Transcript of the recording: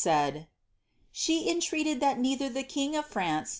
Kaid, "she entreated that neillict the king of Fisnre.